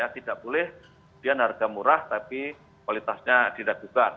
tidak boleh harga murah tapi kualitasnya tidak bukan